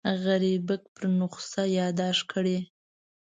غریبک پر نسخه یاداښت کړی.